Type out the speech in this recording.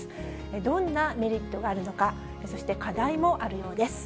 どんなメリットがあるのか、そして課題もあるようです。